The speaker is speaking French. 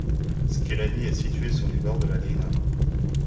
Skelani est située sur les bords de la Drina.